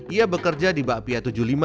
ia bekerja di bakpia tujuh puluh lima